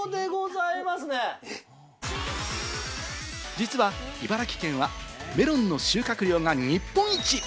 実は茨城県はメロンの収穫量が日本一。